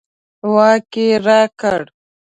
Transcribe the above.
واک یې راکړ.